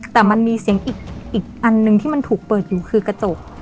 แต่มันมีเสียงอีกอันหนึ่งที่มันถูกเปิดอยู่คือกระจก